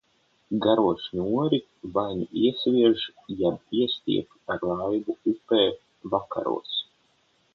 Garo šņori vai nu iesviež jeb iestiepj ar laivu upē, vakaros.